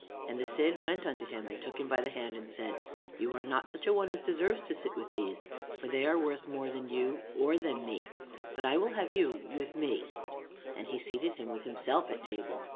And the Cid went unto him, and took him by the hand and said, "You are not such a one as deserves to sit with these, for they are worth more than you or than me; but I will have you with me:" and he seated him with himself at table.